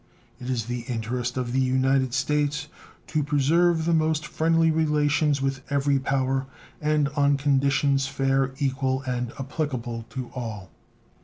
It is the interest of the United States to preserve the most friendly relations with every power and on conditions fair, equal, and applicable to all.